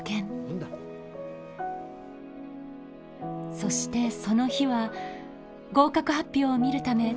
そしてその日は合格発表を見るため仙台にいました。